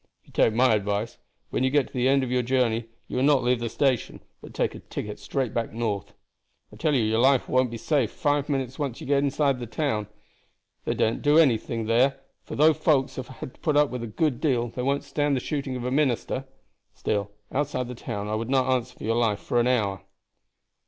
If you take my advice, when you get to the end of your journey you will not leave the station, but take a ticket straight back north. I tell you your life won't be safe five minutes when you once get outside the town. They daren't do anything there, for though folks have had to put up with a good deal they wouldn't stand the shooting of a minister; still, outside the town I would not answer for your life for an hour."